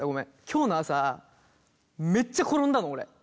今日の朝めっちゃ転んだの俺。